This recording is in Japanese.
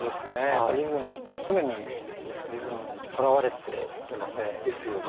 やっぱリズム常にリズムにとらわれているので。ですよね。